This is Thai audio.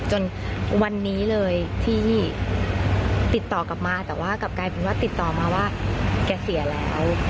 จนวันนี้เลยที่ติดต่อกลับมาแต่ว่ากลับกลายเป็นว่าติดต่อมาว่าแกเสียแล้ว